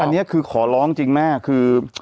อันนี้คือขอร้องจริงแม่คือ